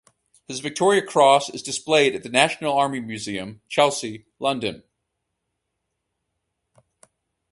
His Victoria Cross is displayed at the National Army Museum, Chelsea, London.